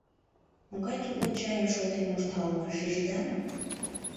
Могай тутло чайым шолтен мошта улмаш, шижыда мо?